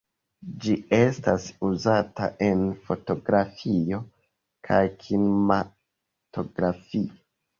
Ĝi estas uzata en fotografio kaj kinematografio.